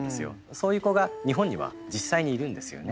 そういう子が日本には実際にいるんですよね。